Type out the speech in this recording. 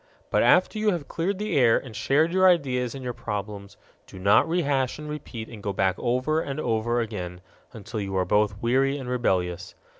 But after you have cleared the air and shared your ideas and your problems do not rehash and repeat and go back over and over again until you are both weary and rebellious.